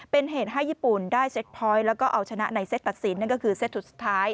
เป็นเหตุให้ญี่ปุ่นได้เซ็กพอยต์แล้วก็เอาชนะในเซตตัดสินนั่นก็คือเซตสุดท้าย